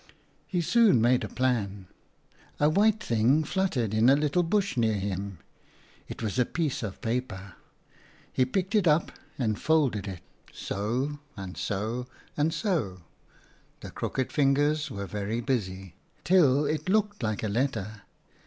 He soon made a plan. A white thing fluttered in a little bush near him. It was a piece of paper. He picked it up and folded it — so — and so — and so —" the crooked fingers were very busy —" till it looked like a letter.